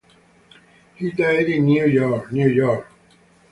He died in New York, New York.